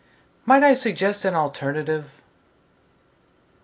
Might I suggest an alternative?